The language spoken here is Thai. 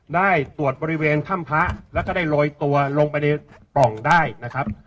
ได้ตรวจบริเวณถ้ำพระแล้วก็ได้โรยตัวลงไปในป่องได้นะครับ